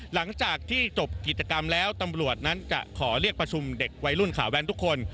หลังจากที่จบกิจกรรมแล้วตำรวจนั้นจะขอเรียกประชุมเด็กวัยรุ่นขาแว้นทุกคน